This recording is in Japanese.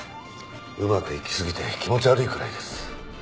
うまくいきすぎて気持ち悪いくらいです。